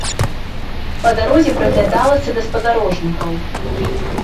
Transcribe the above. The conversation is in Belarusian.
Па дарозе прыглядалася да спадарожнікаў.